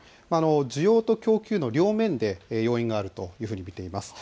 需要と供給の両面で要因があると見ています。